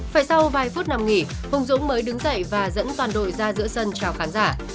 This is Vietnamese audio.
phải sau vài phút nằm nghỉ hùng dũng mới đứng dậy và dẫn toàn đội ra giữa sân cho khán giả